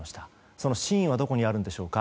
その真意はどこにあるんでしょうか。